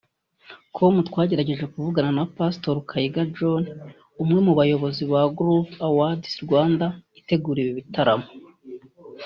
com twagerageje kuvugana na Pastor Kaiga John umwe mu bayobozi ba Groove Awards Rwanda itegura ibi bitaramo